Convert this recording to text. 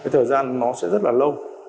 thời gian nó sẽ rất là lâu